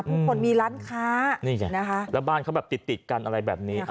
พวกมันมีร้านค้าแล้วบ้านเขาติดกันอะไรแบบนี้